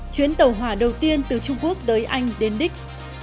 chuyến tàu hỏa đầu tiên từ trung quốc tới anh đến đích